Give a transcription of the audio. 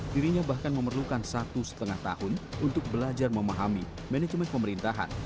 dirinya bahkan memerlukan satu setengah tahun untuk belajar memahami manajemen pemerintahan